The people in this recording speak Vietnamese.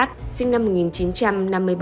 sinh năm một nghìn chín trăm năm mươi bảy